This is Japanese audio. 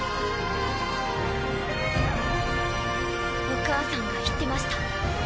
お母さんが言ってました。